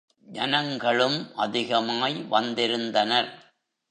ஜனங்களும் அதிகமாய் வந்திருந்தனர்.